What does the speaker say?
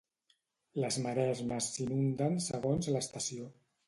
Les maresmes s'inunden segons l'estació.